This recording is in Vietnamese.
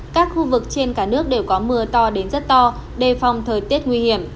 các khu vực trên cả nước đều có mưa to đến rất to đề phòng thời tiết nguy hiểm